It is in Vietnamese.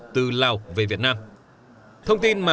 từ lào về việt nam thông tin mà